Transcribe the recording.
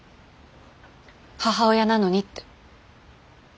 母親なのにって。